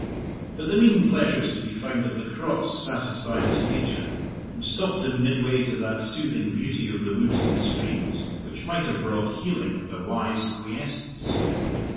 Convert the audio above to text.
But the mean pleasures to be found at the Cross satisfied his nature, and stopped him midway to that soothing beauty of the woods and streams which might have brought healing and a wise quiescence.